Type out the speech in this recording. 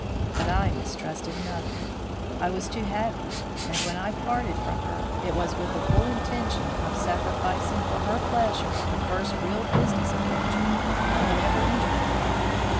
But I mistrusted nothing; I was too happy, and when I parted from her it was with the full intention of sacrificing for her pleasure the first real business engagement I had ever entered upon.